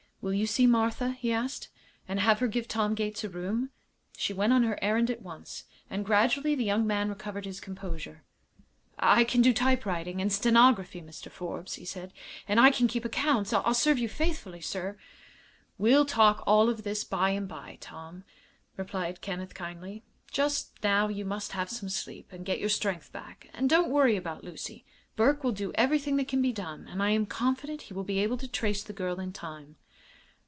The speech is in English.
"Will you see Martha," he asked, "and have her give Tom Gates a room?" She went on her errand at once, and gradually the young man recovered his composure. "I can do typewriting and stenography, Mr. Forbes," he said, "and I can keep accounts. I'll serve you faithfully, sir." "We'll talk of all this by and by, Tom," replied Kenneth, kindly. "Just now you must have some sleep and get your strength back. And don't worry about Lucy. Burke will do everything that can be done, and I am confident he will be able to trace the girl in time."